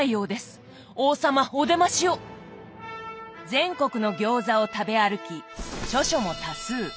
全国の餃子を食べ歩き著書も多数。